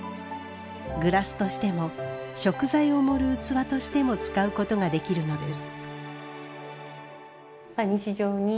グラスとしても食材を盛る器としても使うことができるのです。